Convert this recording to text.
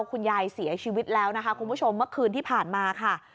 คุณยายเสียชีวิตแล้วนะคะคุณผู้ชมเมื่อคืนที่ผ่านมาค่ะ